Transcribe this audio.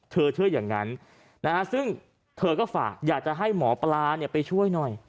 เชื่ออย่างนั้นนะฮะซึ่งเธอก็ฝากอยากจะให้หมอปลาไปช่วยหน่อย